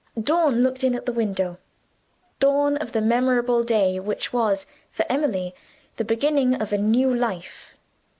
Dawn looked in at the window dawn of the memorable day which was, for Emily, the beginning of a new life.